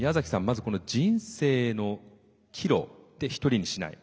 まずこの「人生の岐路で一人にしない」。